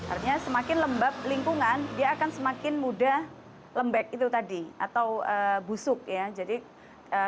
artinya semakin lembab lingkungan dia akan semakin mudah lembek atau busuk